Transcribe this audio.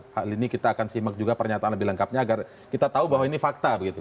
hal ini kita akan simak juga pernyataan lebih lengkapnya agar kita tahu bahwa ini fakta begitu